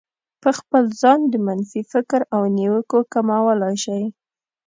په خپل ځان د منفي فکر او نيوکو کمولای شئ.